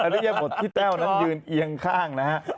ริยบทที่แต้วนั้นยืนเอียงข้างนะฮะ